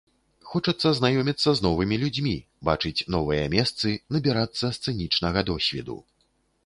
Хочацца знаёміцца з новымі людзьмі, бачыць новыя месцы, набірацца сцэнічнага досведу.